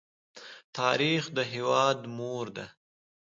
تاریخ د هېواد مور ده.